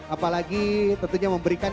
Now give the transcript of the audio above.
apalagi tentunya memberikan